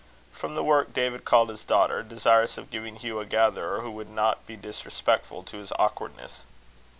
From this work David called his daughter, desirous of giving Hugh a gatherer who would not be disrespectful to his awkwardness.